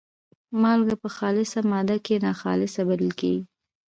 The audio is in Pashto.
مالګه په خالصه ماده کې ناخالصه بلل کیږي.